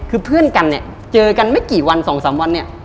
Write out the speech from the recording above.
คือเพื่อนกันเนี่ยเจอกันไม่กี่วันสองสามวันเนี่ย